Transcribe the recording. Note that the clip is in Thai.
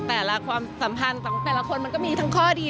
จริงแล้วผมว่าแต่ละสัมภาษณ์ของแต่ละคนมีทั้งข้อดี